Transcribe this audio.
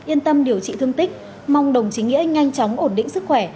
yên tâm điều trị thương tích mong đồng chí nghĩa nhanh chóng ổn định sức khỏe